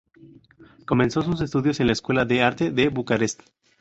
Comenzó sus estudios en la escuela de arte de Bucarest.